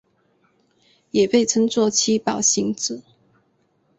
也被称作七宝行者。